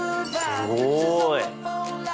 すごい。